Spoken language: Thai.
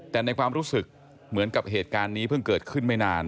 แต่ในความรู้สึกเหมือนกับเหตุการณ์นี้เพิ่งเกิดขึ้นไม่นาน